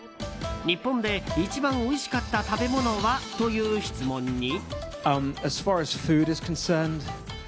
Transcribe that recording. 日本で一番おいしかった食べ物は？という質問に。